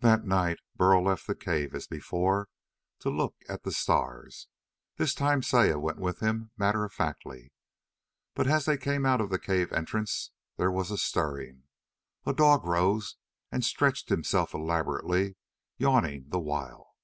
That night Burl left the cave, as before, to look at the stars. This time Saya went with him matter of factly. But as they came out of the cave entrance there was a stirring. A dog rose and stretched himself elaborately, yawning the while.